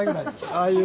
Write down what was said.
ああいう。